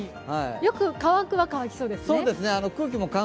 よく乾く乾きそうですね。